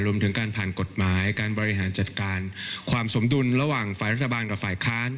รวมถึงการผ่านกฎหมายการบริหารจัดการความสมดุลระหว่างฝ่ายรัฐบาลกับฝ่ายค้าน